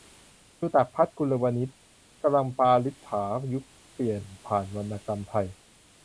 ชูศักดิ์ ภัทรกุลวณิชย์ กำลังปาฐกถา ยุคเปลี่ยนผ่านวรรณกรรมไทย